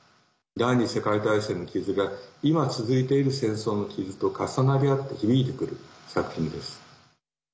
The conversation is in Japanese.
第２次世界大戦の傷が今、続いている戦争の傷と重なり合って響いてくる作品です。